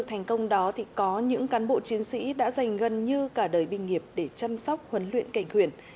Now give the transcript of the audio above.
thành công đó thì có những cán bộ chiến sĩ đã dành gần như cả đời bình nghiệp để chăm sóc huấn luyện cảnh khuyển